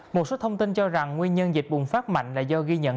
một số thông tin cho rằng nguyên nhân dịch bùng phát mạnh là do ghi nhận